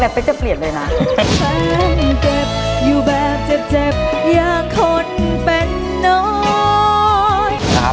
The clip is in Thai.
แล้วเป็กจะเปลี่ยนเลยนะ